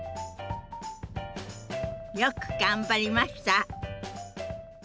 よく頑張りました！